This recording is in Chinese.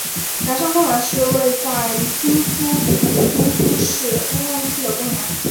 圆山公园是位在京都府京都市东山区的公园。